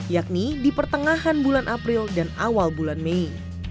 yakni di pertengahan bulan april dan awal bulan mei